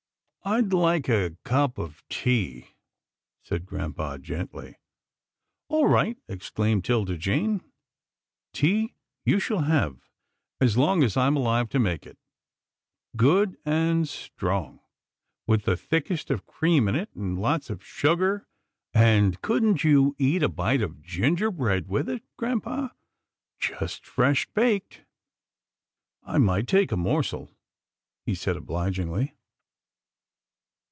" I'd like a cup of tea," said grampa gently. " All right," exclaimed 'Tilda Jane, " tea you shall have as long as I'm alive to make it — good AN UNEXPECTED REQUEST 97 and strong, with the thickest of cream in it, and lots of sugar — and couldn't you eat a bite of ginger bread with it, grampa — just fresh baked?" " I might take a morsel," he said obligingly.